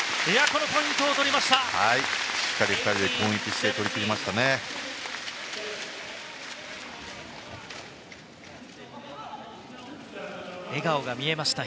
このポイントを取りました。